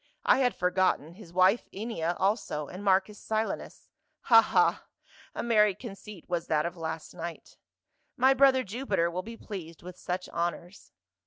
I had forgotten, his wife Ennia also, and Marcus Silanus. Ha, ha ! A merry conceit was that of last night. My brother, Jupiter, will be pleased with such honors.